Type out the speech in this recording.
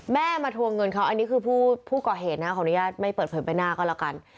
แม่มาทวงเงินเขาอันนี้คือผู้ก่อเหตุนะขออนุญาตไม่เปิดเผยใบหน้าก็แล้วกัน